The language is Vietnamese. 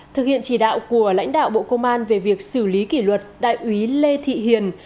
thực hiện chỉ đạo của lãnh đạo bộ công an về việc xử lý kỷ luật đại úy lê thị hiền